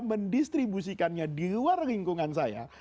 mendistribusikannya di luar lingkungan saya